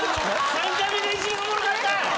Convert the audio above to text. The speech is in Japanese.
３回目が一番おもろかった！